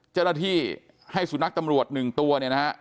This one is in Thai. เจ้าหน้าที่ให้สุนัขตำรวจ๑ตัวเนี่ยนะฮะ